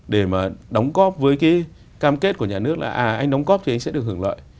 để mà đóng góp với cái cam kết của nhà nước là anh đóng góp thì anh sẽ được hưởng lợi